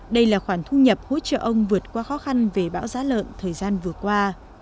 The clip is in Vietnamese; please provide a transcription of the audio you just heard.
đây là khoản thu nhập hỗ trợ ông vượt qua khó khăn về bão giá lợn thời gian vừa qua